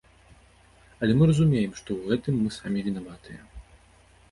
Але мы разумеем, што ў гэтым мы самі вінаватыя.